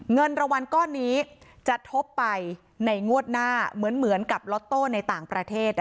เงินรางวัลก้อนนี้จะทบไปในงวดหน้าเหมือนกับล็อตโต้ในต่างประเทศ